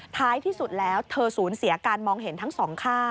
ท้ายที่สุดแล้วเธอสูญเสียการมองเห็นทั้งสองข้าง